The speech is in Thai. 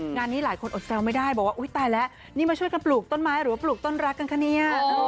งานนี้หลายคนอดแซวไม่ได้บอกว่าอุ๊ยตายแล้วนี่มาช่วยกันปลูกต้นไม้หรือว่าปลูกต้นรักกันคะเนี่ย